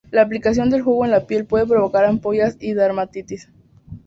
La aplicación del jugo en la piel puede provocar ampollas y dermatitis.